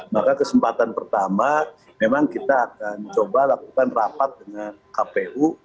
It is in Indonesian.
maka kesempatan pertama memang kita akan coba lakukan rapat dengan kpu